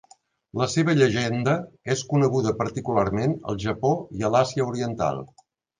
La seva llegenda és coneguda particularment al Japó i a l'Àsia oriental.